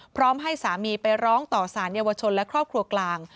ให้สามีไปร้องต่อสารเยาวชนและครอบครัวกลาง